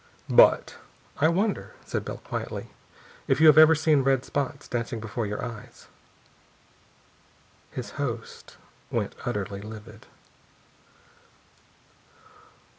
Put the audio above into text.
But " "I wonder," said Bell quietly, "if you have ever seen red spots dancing before your eyes." His host went utterly livid.